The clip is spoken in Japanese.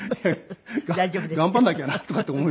頑張らなきゃなとかって思う。